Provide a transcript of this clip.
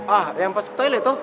ah yang pas ke toilet tuh